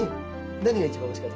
何が一番おいしかった？